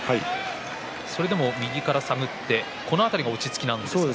それでも右から探ってこの辺りは落ち着かないんでしょうか。